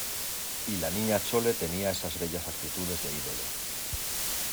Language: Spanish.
y la Niña Chole tenía esas bellas actitudes de ídolo